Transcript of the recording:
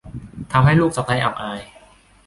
ทำให้ลูกสะใภ้อับอาย